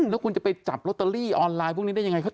แล้วคุณจะไปจับลอตเตอรี่ออนไลน์พวกนี้ได้ยังไง